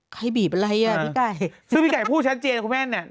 บีบอะไรอ่ะพี่ไก่ซึ่งพี่ไก่พูดชัดเจนคุณแม่เนี่ย